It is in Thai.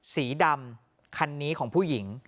สีดำคันนี้ของผู้หญิง